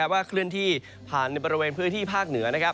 เคลื่อนที่ผ่านในบริเวณพื้นที่ภาคเหนือ